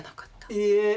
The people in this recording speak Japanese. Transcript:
いいえ。